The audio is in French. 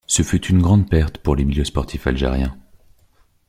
Ce fut une grande perte pour les milieux sportifs algériens.